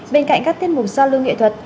bên cạnh các tiết mục giao lưu nghệ thuật